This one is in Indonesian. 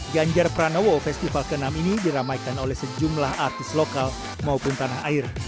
ganjar pranowo festival ke enam ini diramaikan oleh sejumlah artis lokal maupun tanah air